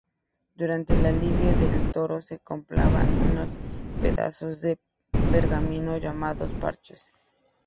Durante la lidia del toro se empleaban unos pedazos de pergamino llamados parches.